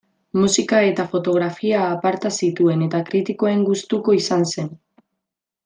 Musika eta fotografia aparta zituen eta kritikoen gustuko izan zen.